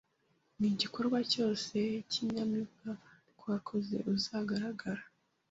n’igikorwa cyose cy’inyamibwa twakoze uzagaragara